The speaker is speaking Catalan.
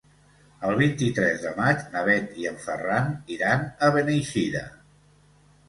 El vint-i-tres de maig na Bet i en Ferran iran a Beneixida.